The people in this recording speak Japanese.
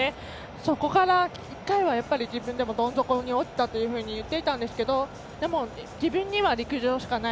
そこから１回は自分でもどん底に落ちたというふうに言っていたんですけど、自分には陸上しかない。